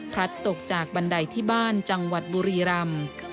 ตกจากบันไดที่บ้านจังหวัดบุรีรำ